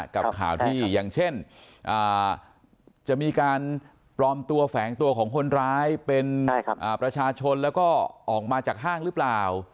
กับข่าวที่อย่างเช่นจะมีการปลอมตัวแฝงตัวของคนร้ายเป็นประชาชนแล้วก็ออกมาจากห้างหรือเปล่า